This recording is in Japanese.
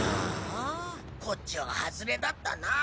ああこっちはハズレだったな。